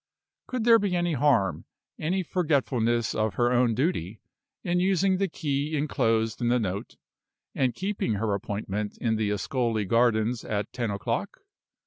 Could there be any harm, any forgetfulness of her own duty, in using the key inclosed in the note, and keeping her appointment in the Ascoli gardens at ten o'clock?